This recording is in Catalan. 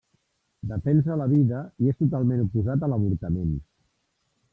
Defensa la vida i és totalment oposat a l'avortament.